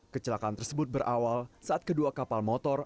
kecelakaan tersebut berawal saat kedua kapal motor